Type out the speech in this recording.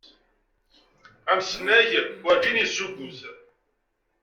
Amsnag, werǧin yessugut.